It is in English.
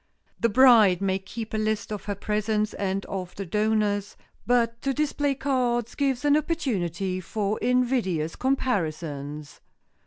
The bride may keep a list of her presents and of the donors, but to display cards gives an opportunity for invidious comparisons.